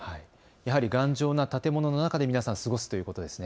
やはり頑丈な建物の中で皆さん、過ごすということですね。